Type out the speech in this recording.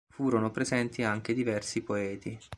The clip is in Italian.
Furono presenti anche diversi poeti.